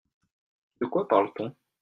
De quoi parle-t-on ?